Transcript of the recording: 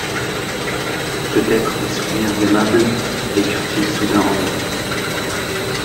Peut-être des souvenirs aimables vécurent-ils soudain en elle.